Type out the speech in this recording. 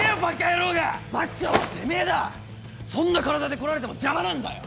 そんな体で来られても邪魔なんだよ！